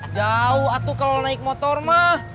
jauh atuh kalo naik motor mah